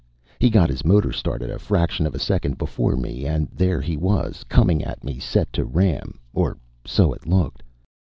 He got his motor started a fraction of a second before me, and there he was, coming at me, set to ram. Or so it looked.